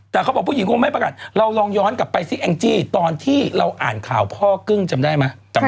แต่เขาบอกผู้หญิงคงไม่ประกาศเราลองย้อนกลับไปซิแองจี้ตอนที่เราอ่านข่าวพ่อกึ้งจำได้ไหม